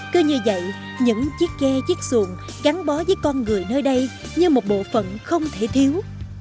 cứ như vậy những chiếc ghe chiếc xuồng gắn bó với con người nơi đây như một bộ phận không thể thiếu